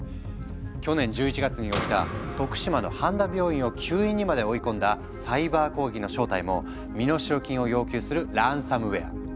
去年１１月に起きた徳島の半田病院を休院にまで追い込んだサイバー攻撃の正体も身代金を要求する「ランサムウェア」。